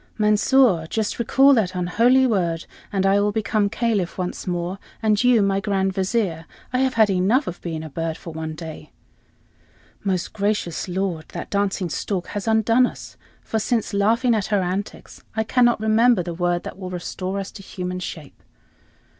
"Mansor, just recall that unholy word, and I will become Caliph once more, and you my Grand Vizier. I have had enough of being a bird for one day." "Most gracious lord, that dancing stork has undone us, for, since laughing at her antics, I cannot remember the word that will restore us to human shape."